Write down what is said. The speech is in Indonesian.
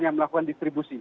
yang melakukan distribusi